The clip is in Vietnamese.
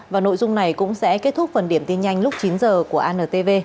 và nội dung này cũng sẽ kết thúc phần điểm tin nhanh lúc chín h của antv